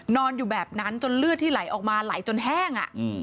นอนอยู่แบบนั้นจนเลือดที่ไหลออกมาไหลจนแห้ง